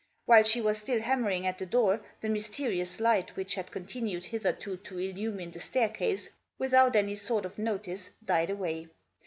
While she was still hammering at the door, the mysterious light which had continued hitherto to illumine the staircase, without any sort of notice died away.